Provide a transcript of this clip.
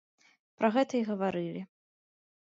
Пра гэта і гаварылі.